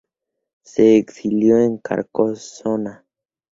Se exilió en Carcasona.